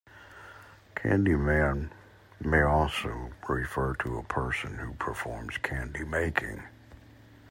Candyman may also refer to a person who performs candy making.